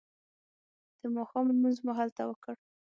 د ماښام لمونځ مو هلته وکړ.